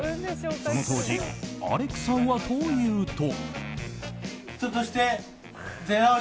その当時アレクさんはというと。